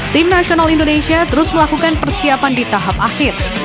tim nasional indonesia terus melakukan persiapan di tahap akhir